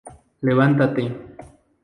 ¡levante!